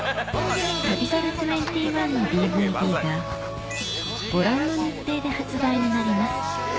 『旅猿２１』のＤＶＤがご覧の日程で発売になります